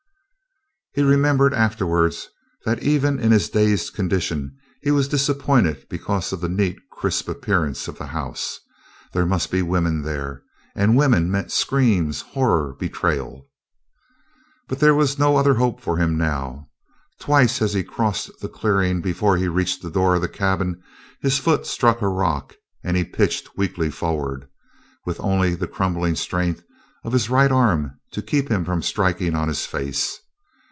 He remembered afterward that even in his dazed condition he was disappointed because of the neat, crisp, appearance of the house. There must be women there, and women meant screams, horror, betrayal. But there was no other hope for him now. Twice, as he crossed the clearing before he reached the door of the cabin, his foot struck a rock and he pitched weakly forward, with only the crumbling strength of his right arm to keep him from striking on his face.